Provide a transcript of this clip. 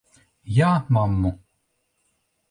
Jā, mammu?